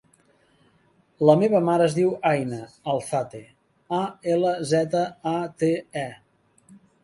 La meva mare es diu Aina Alzate: a, ela, zeta, a, te, e.